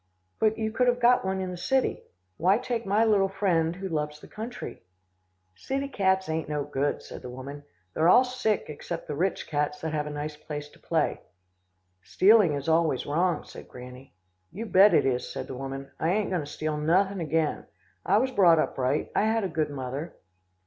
"'But, you could have got one in the city. Why take my little friend, who loves the country?' "'City cats ain't no good,' said the woman. 'They're all sick, except the rich cats that have a nice place to play.' "'Stealing is always wrong,' said Granny. "'You bet it is,' said the woman. 'I ain't goin' to steal nothin' again. I was brought up right. I had a good mother.